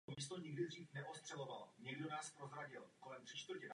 Nyní musíme v Evropě ochránit to, co jsme vytvořili.